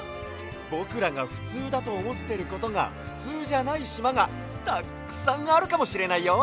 ぼくらがふつうだとおもってることがふつうじゃないしまがたっくさんあるかもしれないよ。